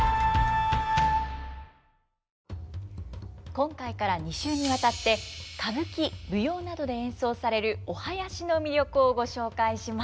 今回から２週にわたって歌舞伎舞踊などで演奏されるお囃子の魅力をご紹介します。